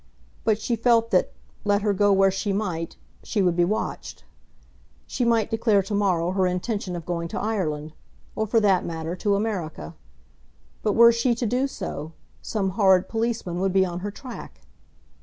But she felt that, let her go where she might, she would be watched. She might declare to morrow her intention of going to Ireland, or, for that matter, to America. But, were she to do so, some horrid policeman would be on her track.